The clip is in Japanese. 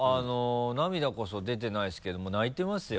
涙こそ出てないですけども泣いてますよ。